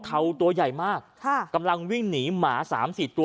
เท้าตัวใหญ่มากค่ะกำลังวิ่งหนีหมา๓๔ตัว